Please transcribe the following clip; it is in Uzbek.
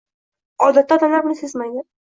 Odatda odamlar buni sezmaydi.